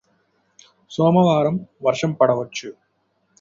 సోమవారం వర్షం పడవచ్చు